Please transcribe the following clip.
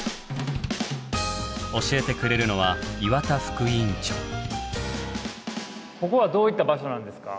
教えてくれるのはここはどういった場所なんですか？